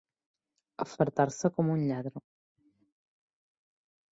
Afartar-se com un lladre.